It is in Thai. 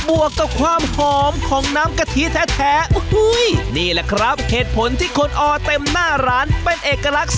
บวกกับความหอมของน้ำกะทิแท้